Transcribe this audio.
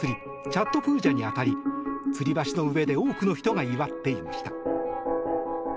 チャットプージャに当たりつり橋の上で多くの人が祝っていました。